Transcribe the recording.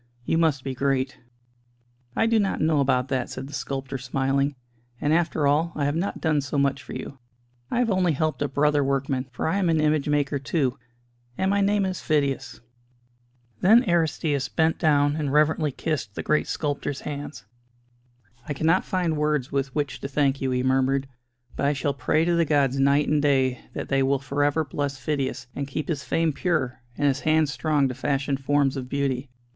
You must be great." "I do not know about that," said the sculptor, smiling, "and after all, I have not done so much for you. I have only helped a brother workman: for I am an image maker too and my name is Phidias." Then Aristćus bent down and reverently kissed the great sculptor's hands. "I cannot find words with which to thank you," he murmured, "but I shall pray to the gods night and day that they will for ever bless Phidias, and keep his fame pure, and his hands strong to fashion forms of beauty.